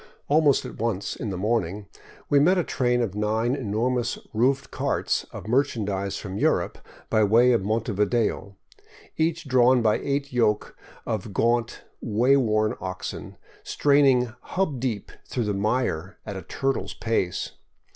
Almost at once, in the morning, we met a train of nine enormous roofed carts of merchandise from Europe by way of Montevideo, each drawn by eight yoke of gaunt, way worn oxen, straining hub deep through the mire at a turtle's pace.